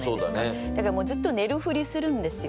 だからもうずっと寝るふりするんですよ。